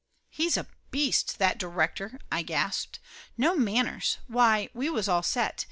"He's a beast, that director!" I gasped. "No man ners ! Why, we was all set.